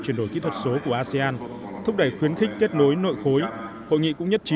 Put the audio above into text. chuyển đổi kỹ thuật số của asean thúc đẩy khuyến khích kết nối nội khối hội nghị cũng nhất trí